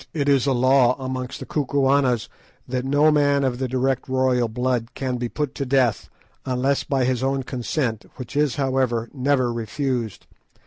It is a law amongst the Kukuanas that no man of the direct royal blood can be put to death, unless by his own consent, which is, however, never refused.